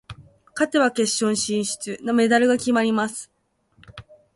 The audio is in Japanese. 勝てば決勝進出、メダルが決まります。